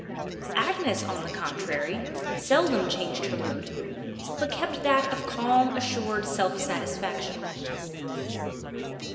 Agnes, on the contrary, seldom changed her mood, but kept that of calm assured self satisfaction.